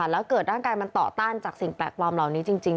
แล้วเกิดร่างกายมันต่อต้านจากสิ่งแปลกปลอมเหล่านี้จริง